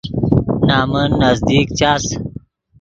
نمن نزدیک چاس